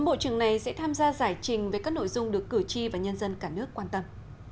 bốn bộ trường này sẽ tham gia giải trình về các nội dung được cử tri và nhân dân cả nước quan tâm